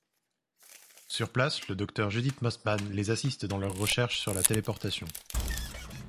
Sur place, le Docteur Judith Mossman les assistent dans leurs recherches sur la téléportation.